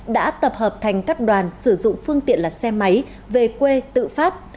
đã tập hợp thành các đoàn sử dụng phương tiện là xe máy về quê tự phát